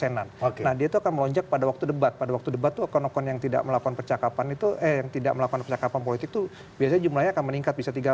nah dia itu akan melonjak pada waktu debat pada waktu debat itu akun akun yang tidak melakukan percakapan itu eh yang tidak melakukan percakapan politik itu biasanya jumlahnya akan meningkat bisa tiga puluh